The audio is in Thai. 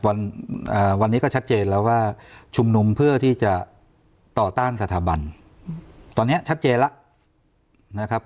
วันนี้ก็ชัดเจนแล้วว่าชุมนุมเพื่อที่จะต่อต้านสถาบันตอนนี้ชัดเจนแล้วนะครับ